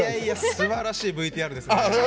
すばらしいＶＴＲですね。